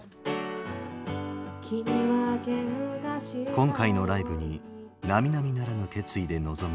今回のライブになみなみならぬ決意で臨む